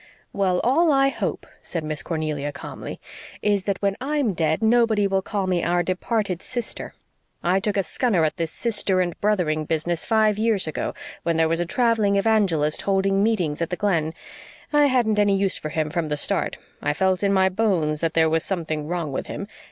"Well, all I hope," said Miss Cornelia calmly, "is that when I'm dead nobody will call me 'our departed sister.' I took a scunner at this sister and brothering business five years ago when there was a travelling evangelist holding meetings at the Glen. I hadn't any use for him from the start. I felt in my bones that there was something wrong with him.